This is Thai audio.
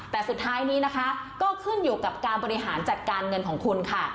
แต่สุดท้ายนี้นะคะก็ขึ้นอยู่กับการบริหารจัดการเงินของคุณค่ะ